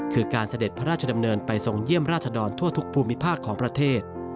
คือการเสด็จพระราชดำเนินไปทรงเยี่ยมราชดรทั่วทุกภูมิภาคของประเทศ